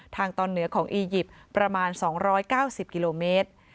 ทางตอนเหนือของอียิปต์ประมาณ๒๙๐กิโลเมตร